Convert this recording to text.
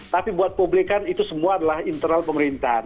tapi buat publikan itu semua adalah internal pemerintahan